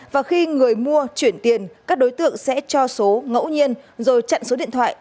và khi người mua chuyển tiền các đối tượng sẽ cho số ngẫu nhiên rồi chặn số điện thoại